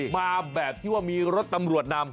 มาแบบที่ว่ามีรถตำรวจนำ